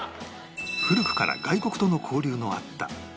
古くから外国との交流のあった長崎